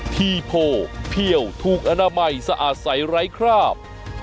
ทีโพเพี่ยวถูกอนามัยสะอาดใสไร้คราบ